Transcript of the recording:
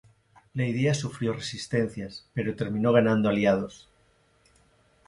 La idea sufrió resistencias, pero terminó ganando aliados.